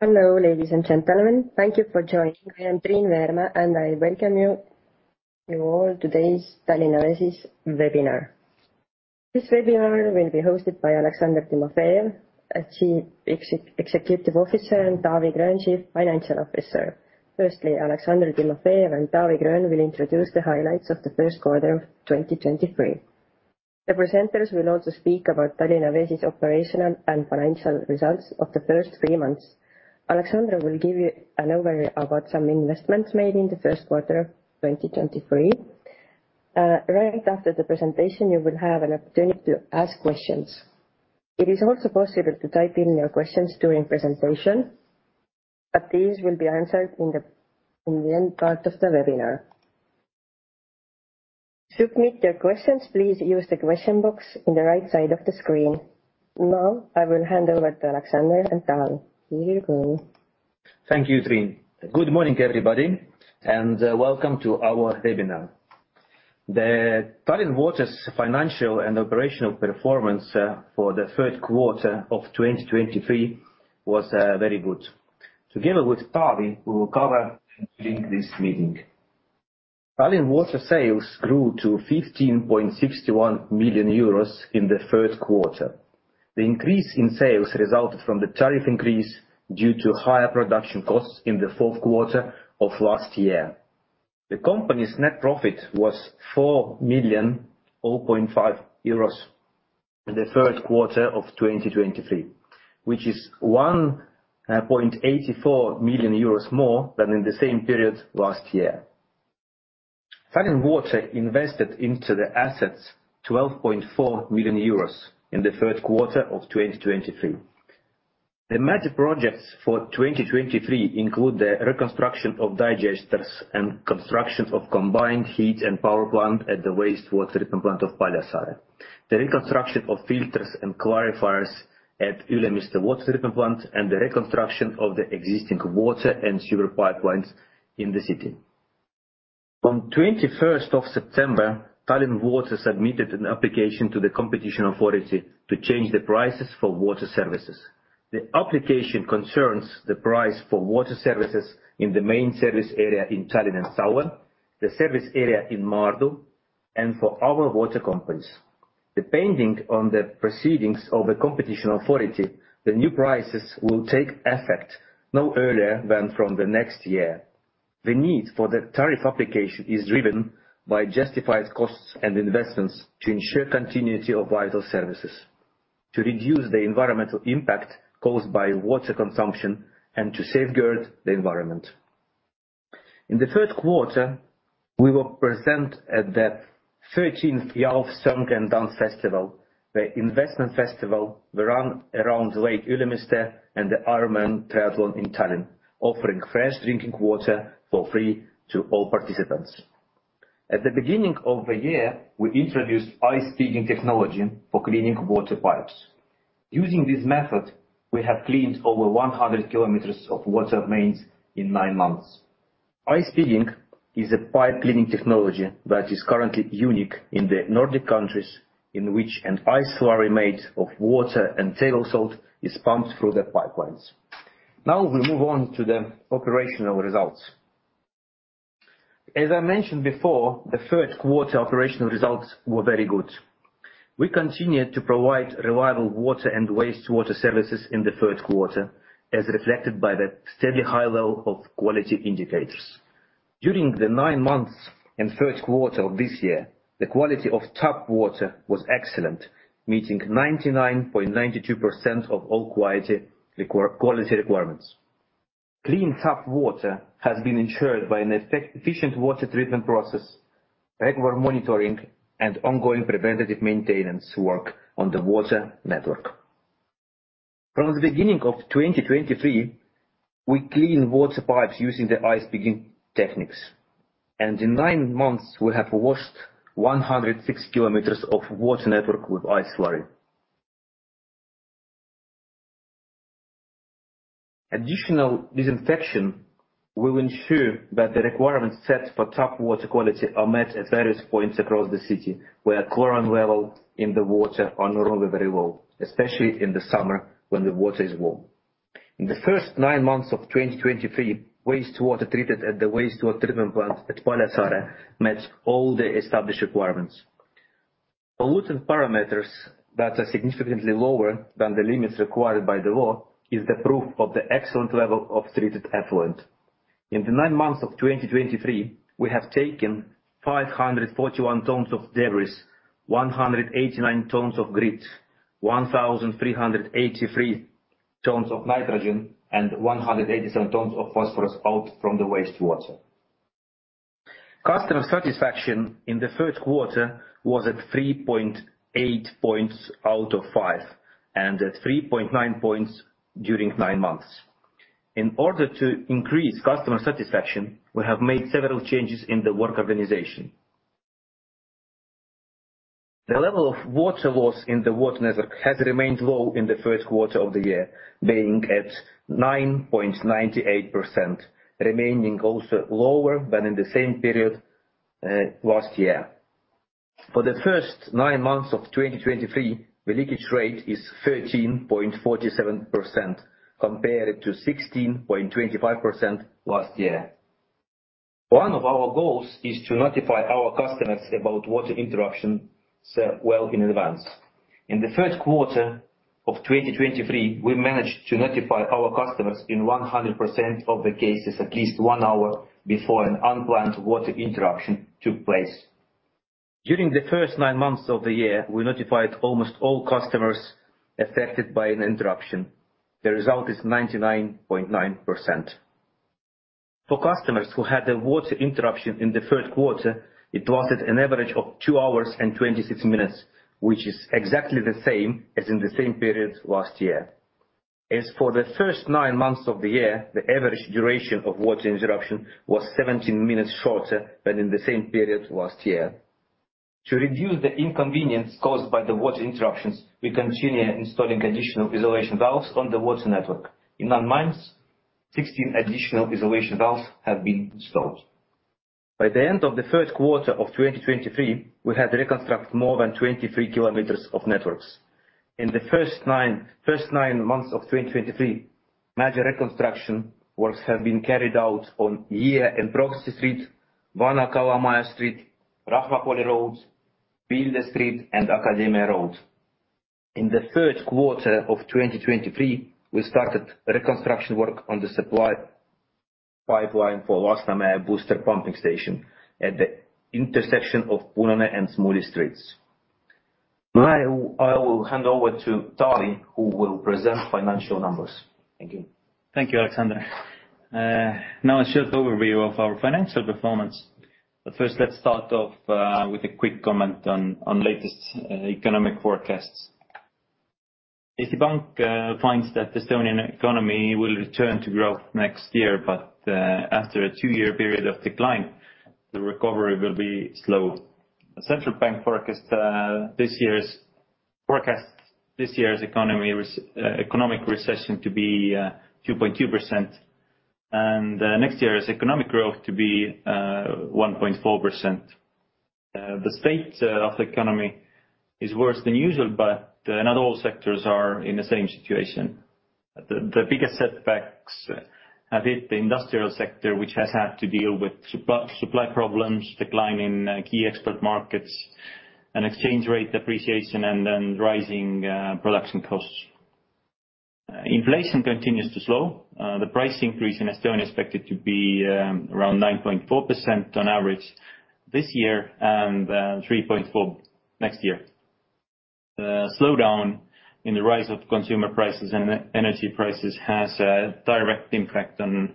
Hello, ladies and gentlemen. Thank you for joining. I am Triin Vare, and I welcome you, you all, today's Tallinna Vesi's webinar. This webinar will be hosted by Aleksandr Timofejev, as Chief Executive Officer, and Taavi Gröön, Chief Financial Officer. Firstly, Aleksandr Timofejev and Taavi Gröön will introduce the highlights of the first quarter of 2023. The presenters will also speak about Tallinna Vesi's operational and financial results of the first three months. Aleksandr will give you an overview about some investments made in the first quarter of 2023. Right after the presentation, you will have an opportunity to ask questions. It is also possible to type in your questions during presentation, but these will be answered in the, in the end part of the webinar. To submit your questions, please use the question box on the right side of the screen. Now, I will hand over to Aleksandr and Taavi. Here you go. Thank you, Triin. Good morning, everybody, and welcome to our webinar. The Tallinn Water's financial and operational performance for the third quarter of 2023 was very good. Together with Taavi, we will cover during this meeting. Tallinn Water sales grew to 15.61 million euros in the third quarter. The increase in sales resulted from the tariff increase due to higher production costs in the fourth quarter of last year. The company's net profit was 4.05 million in the third quarter of 2023, which is 1.84 million euros more than in the same period last year. Tallinn Water invested into the assets 12.4 million euros in the third quarter of 2023. The major projects for 2023 include the reconstruction of digesters and construction of combined heat and power plant at the wastewater treatment plant of Paljassaare. The reconstruction of filters and clarifiers at Ülemiste Water Treatment Plant, and the reconstruction of the existing water and sewer pipelines in the city. On 21st of September, Tallinn Water submitted an application to the Competition Authority to change the prices for water services. The application concerns the price for water services in the main service area in Tallinn and Saue, the service area in Maardu, and for our water companies. Depending on the proceedings of the Competition Authority, the new prices will take effect no earlier than from the next year. The need for the tariff application is driven by justified costs and investments to ensure continuity of vital services, to reduce the environmental impact caused by water consumption, and to safeguard the environment. In the third quarter, we were present at the thirteenth Youth Song and Dance Festival, the Investment Festival around Lake Ülemiste, and the Ironman Triathlon in Tallinn, offering fresh drinking water for free to all participants. At the beginning of the year, we introduced Ice Pigging technology for cleaning water pipes. Using this method, we have cleaned over 100 km of water mains in nine months. Ice Pigging is a pipe cleaning technology that is currently unique in the Nordic countries, in which an ice slurry made of water and table salt is pumped through the pipelines. Now, we move on to the operational results. As I mentioned before, the third quarter operational results were very good. We continued to provide reliable water and wastewater services in the third quarter, as reflected by the steady high level of quality indicators. During the nine months and third quarter of this year, the quality of tap water was excellent, meeting 99.92% of all quality requirements. Clean tap water has been ensured by an efficient water treatment process, regular monitoring, and ongoing preventative maintenance work on the water network. From the beginning of 2023, we clean water pipes using the Ice Pigging techniques, and in nine months, we have washed 106 km of water network with ice slurry. Additional disinfection will ensure that the requirements set for tap water quality are met at various points across the city, where chlorine level in the water are normally very low, especially in the summer when the water is warm. In the first nine months of 2023, wastewater treated at the wastewater treatment plant at Paljassaare met all the established requirements. Pollution parameters that are significantly lower than the limits required by the law, is the proof of the excellent level of treated effluent. In the nine months of 2023, we have taken 541 tons of debris, 189 tons of grit, 1,383 tons of nitrogen, and 187 tons of phosphorus out from the wastewater. Customer satisfaction in the third quarter was at 3.8 points out of five, and at 3.9 points during nine months. In order to increase customer satisfaction, we have made several changes in the work organization. The level of water loss in the water network has remained low in the first quarter of the year, being at 9.98%, remaining also lower than in the same period last year. For the first nine months of 2023, the leakage rate is 13.47%, compared to 16.25% last year. One of our goals is to notify our customers about water interruption, so well in advance. In the first quarter of 2023, we managed to notify our customers in 100% of the cases, at least one hour before an unplanned water interruption took place. During the first nine months of the year, we notified almost all customers affected by an interruption. The result is 99.9%. For customers who had a water interruption in the third quarter, it lasted an average of two hours and 26 minutes, which is exactly the same as in the same period last year. As for the first nine months of the year, the average duration of water interruption was 17 minutes shorter than in the same period last year. To reduce the inconvenience caused by the water interruptions, we continue installing additional isolation valves on the water network. In nine months, 16 additional isolation valves have been installed. By the end of the first quarter of 2023, we had reconstructed more than 23 km of networks. In the first nine months of 2023, major reconstruction works have been carried out on Järvevana Road, Vana-Kalamaja Street, Rahumäe Road, Pöörise Street and Akadeemia Road. In the third quarter of 2023, we started reconstruction work on the supply pipeline for Lasnamäe booster pumping station at the intersection of Punane and Smuuli Streets. Now, I will hand over to Taavi, who will present financial numbers. Thank you. Thank you, Aleksandr. Now a short overview of our financial performance. But first, let's start off with a quick comment on latest economic forecasts. SEB Bank finds that Estonian economy will return to growth next year, but after a two-year period of decline, the recovery will be slow. The central bank forecast this year's economic recession to be 2.2%, and next year's economic growth to be 1.4%. The state of the economy is worse than usual, but not all sectors are in the same situation. The biggest setbacks have hit the industrial sector, which has had to deal with supply problems, decline in key export markets, and exchange rate depreciation, and then rising production costs. Inflation continues to slow. The price increase in Estonia is expected to be around 9.4% on average this year and 3.4% next year. The slowdown in the rise of consumer prices and energy prices has a direct impact on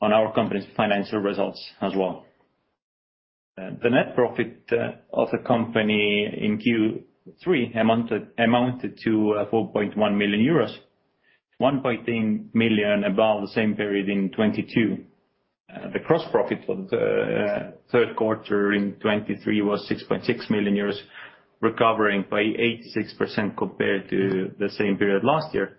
our company's financial results as well. The net profit of the company in Q3 amounted to 4.1 million euros, 1.8 million above the same period in 2022. The gross profit of the third quarter in 2023 was 6.6 million euros, recovering by 86% compared to the same period last year.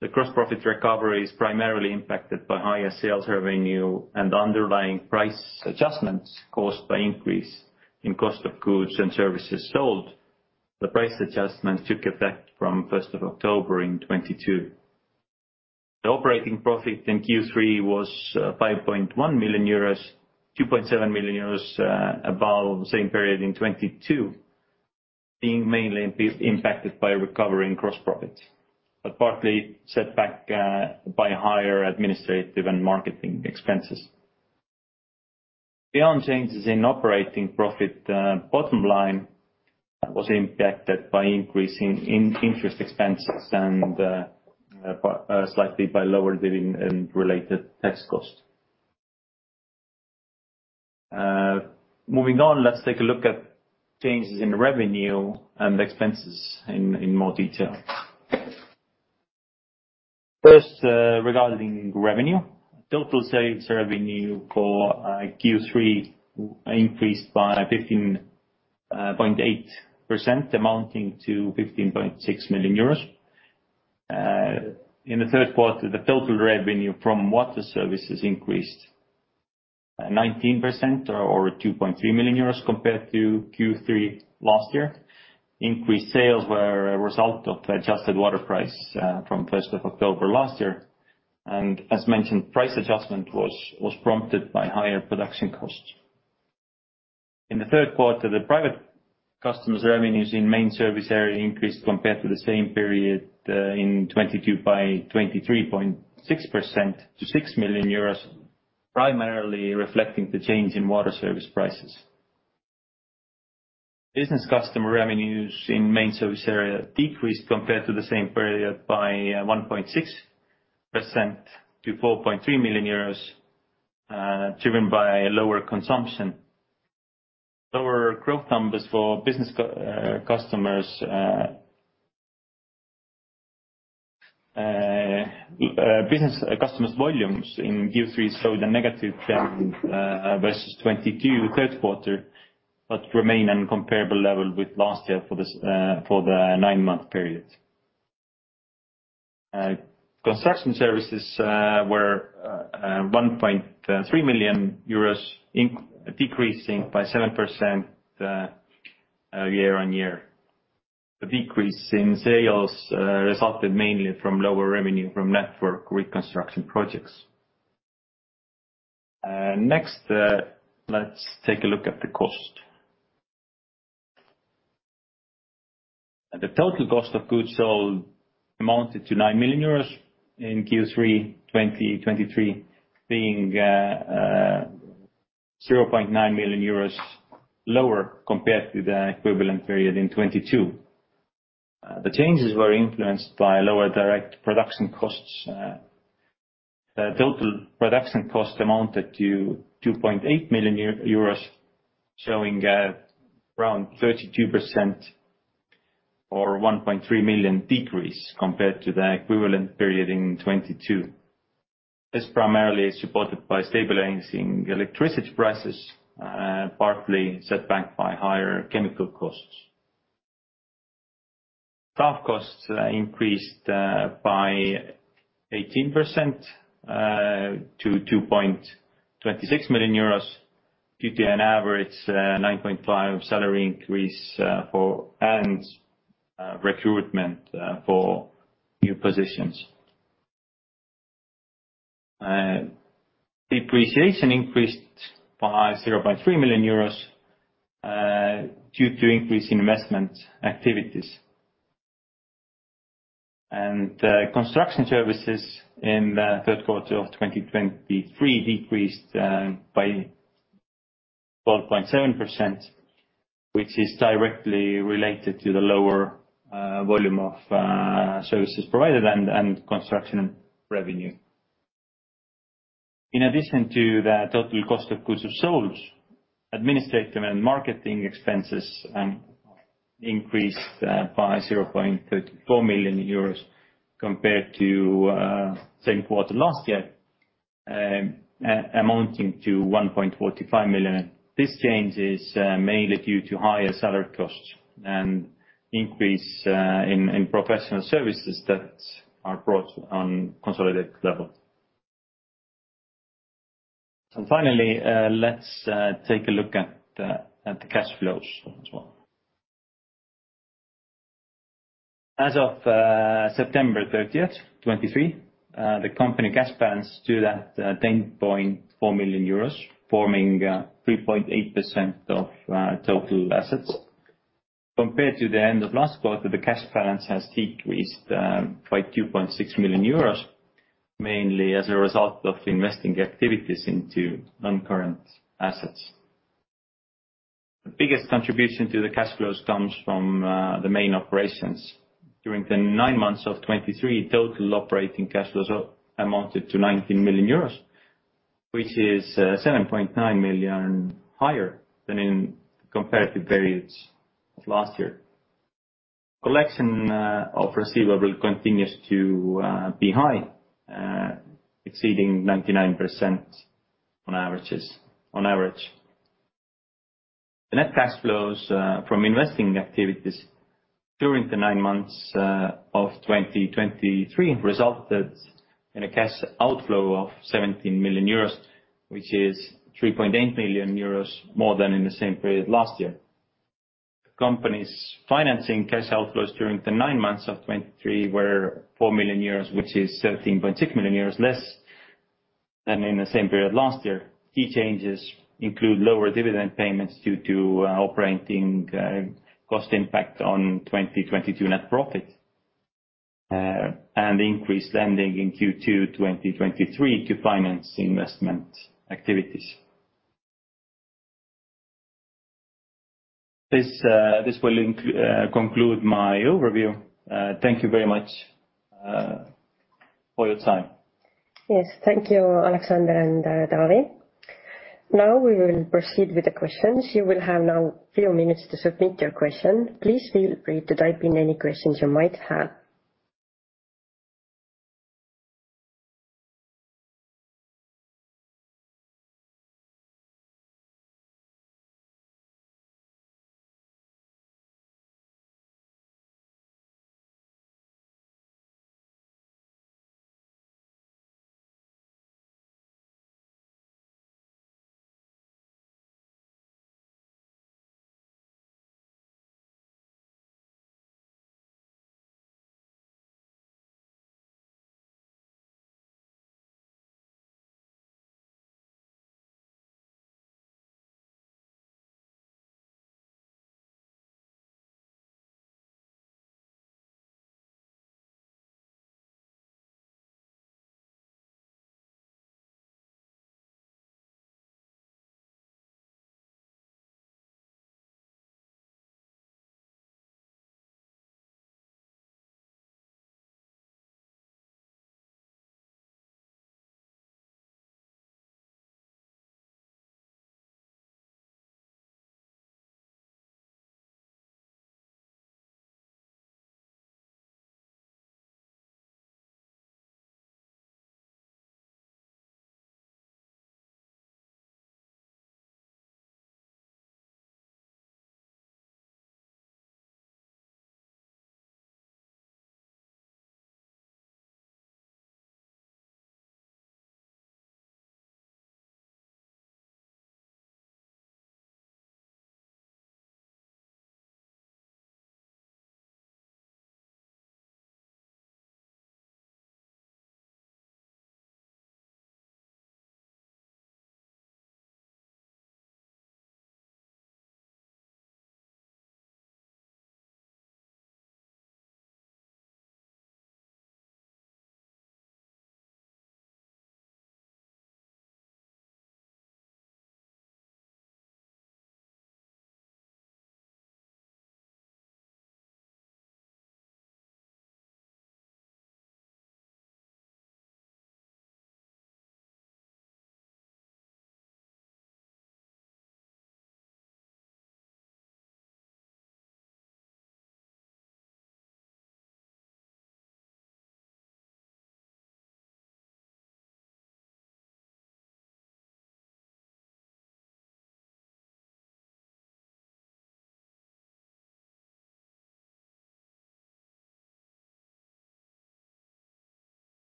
The gross profit recovery is primarily impacted by higher sales revenue and underlying price adjustments caused by increase in cost of goods and services sold. The price adjustments took effect from 1st of October in 2022. The operating profit in Q3 was 5.1 million euros, 2.7 million euros above the same period in 2022, being mainly impacted by recovering gross profits, but partly set back by higher administrative and marketing expenses. Beyond changes in operating profit, bottom line was impacted by increasing in interest expenses and slightly by lower dividend and related tax costs. Moving on, let's take a look at changes in revenue and expenses in more detail. First, regarding revenue. Total sales revenue for Q3 increased by 15.8%, amounting to 15.6 million euros. In the third quarter, the total revenue from water services increased 19% or 2.3 million euros compared to Q3 last year. Increased sales were a result of the adjusted water price from 1st of October last year, and as mentioned, price adjustment was prompted by higher production costs. In the third quarter, the private customers' revenues in main service area increased compared to the same period in 2022 by 23.6% to 6 million euros, primarily reflecting the change in water service prices. Business customer revenues in main service area decreased compared to the same period by 1.6% to 4.3 million euros, driven by lower consumption. Lower growth numbers for business customers' volumes in Q3 showed a negative trend versus 2022 third quarter, but remain in comparable level with last year for the nine-month period. Construction services were 1.3 million euros, decreasing by 7% year-on-year. The decrease in sales resulted mainly from lower revenue from network reconstruction projects. Next, let's take a look at the cost. The total cost of goods sold amounted to 9 million euros in Q3 2023, being 0.9 million euros lower compared to the equivalent period in 2022. The changes were influenced by lower direct production costs. The total production cost amounted to 2.8 million euros, showing around 32% or 1.3 million decrease compared to the equivalent period in 2022. This primarily is supported by stabilizing electricity prices, partly set back by higher chemical costs. Staff costs increased by 18% to 2.26 million euros due to an average 9.5% salary increase for and recruitment for new positions. Depreciation increased by 0.3 million euros due to increase in investment activities. Construction services in the third quarter of 2023 decreased by 12.7%, which is directly related to the lower volume of services provided and construction revenue. In addition to the total cost of goods sold, administrative and marketing expenses increased by 0.34 million euros compared to same quarter last year, amounting to 1.45 million. This change is mainly due to higher salary costs and increase in professional services that are brought on consolidated level. Finally, let's take a look at the cash flows as well. As of September 30th, 2023, the company cash balance stood at 10.4 million euros, forming 3.8% of total assets. Compared to the end of last quarter, the cash balance has decreased by 2.6 million euros, mainly as a result of investing activities into non-current assets. The biggest contribution to the cash flows comes from the main operations. During the nine months of 2023, total operating cash flows amounted to 19 million euros, which is 7.9 million higher than in comparative periods of last year. Collection of receivables continues to be high, exceeding 99% on average. The net cash flows from investing activities during the nine months of 2023 resulted in a cash outflow of 17 million euros, which is 3.8 million euros more than in the same period last year. The company's financing cash outflows during the nine months of 2023 were 4 million euros, which is 13.6 million euros less than in the same period last year. Key changes include lower dividend payments due to operating cost impact on 2022 net profit, and increased lending in Q2 2023 to finance investment activities. This will conclude my overview. Thank you very much for your time. Yes, thank you, Alexander and, Taavi. Now, we will proceed with the questions. You will have now few minutes to submit your question. Please feel free to type in any questions you might have....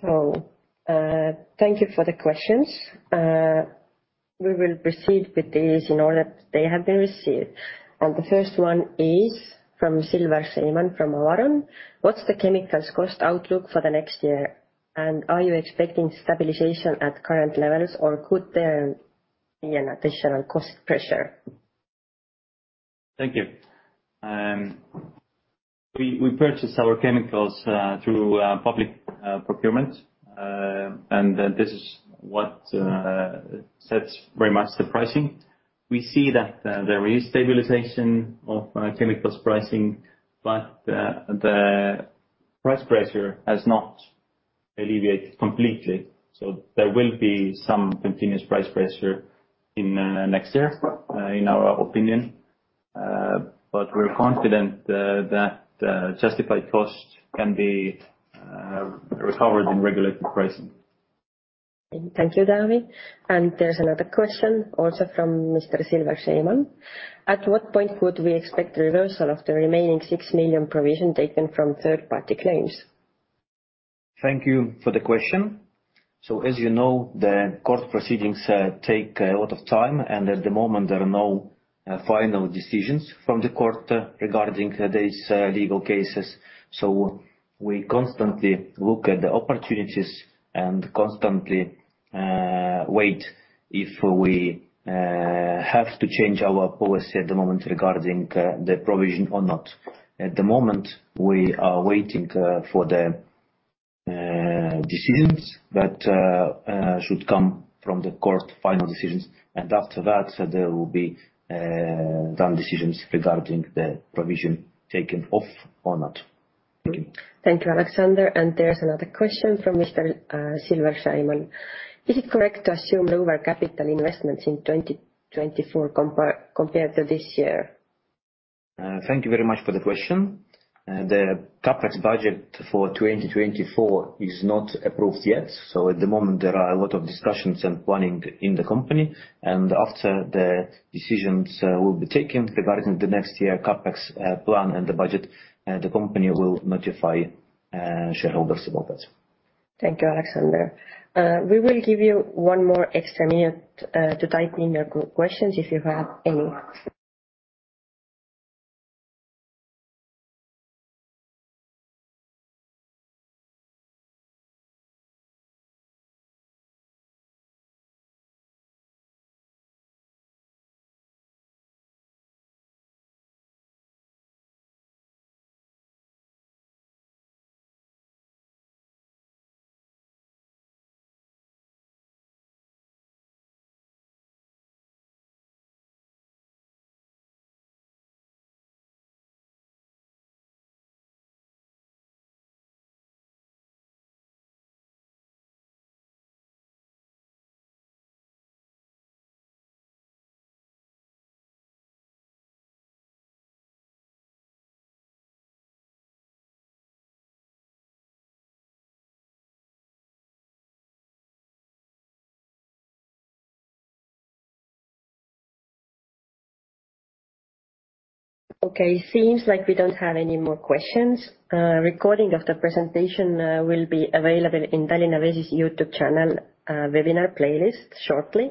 So, thank you for the questions. We will proceed with these in order they have been received, and the first one is from Silver Seiman, from Avaron: "What's the chemicals cost outlook for the next year? And are you expecting stabilization at current levels, or could there be an additional cost pressure? Thank you. We purchase our chemicals through public procurement, and this is what sets very much the pricing. We see that there is stabilization of chemicals pricing, but the price pressure has not alleviated completely. So, there will be some continuous price pressure in next year, in our opinion. But we're confident that justified costs can be recovered in regulated pricing. Thank you, Taavi. And there's another question, also from Mr. Silver Seiman: "At what point would we expect reversal of the remaining 6 million provision taken from third-party claims? Thank you for the question. So, as you know, the court proceedings take a lot of time, and at the moment, there are no final decisions from the court regarding these legal cases. So, we constantly look at the opportunities and constantly wait, if we have to change our policy at the moment regarding the provision or not. At the moment, we are waiting for the decisions that should come from the court's final decisions. And after that, there will be done decisions regarding the provision taken off or not. Thank you. Thank you, Alexander. And there's another question from Mr. Silver Seiman: "Is it correct to assume lower capital investments in 2024 compared to this year? Thank you very much for the question. The CapEx budget for 2024 is not approved yet, so at the moment there are a lot of discussions and planning in the company. And after the decisions will be taken regarding the next year CapEx plan and the budget, the company will notify shareholders about that. Thank you, Aleksandr. We will give you one more extra minute to type in your questions, if you have any. Okay, seems like we don't have any more questions. Recording of the presentation will be available in Tallinna Vesi's YouTube channel, webinar playlist shortly.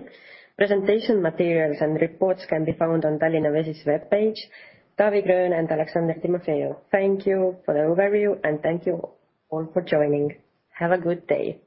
Presentation materials and reports can be found on Tallinna Vesi's webpage. Taavi Gröön and Aleksandr Timofejev, thank you for the overview, and thank you all for joining. Have a good day.